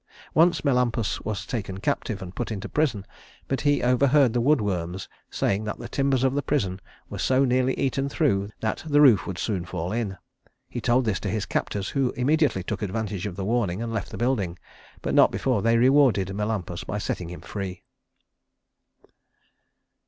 Once Melampus was taken captive and put into prison; but he overheard the woodworms saying that the timbers of the prison were so nearly eaten through that the roof would soon fall in. He told this to his captors, who immediately took advantage of the warning and left the building; but not before they rewarded Melampus by setting him free.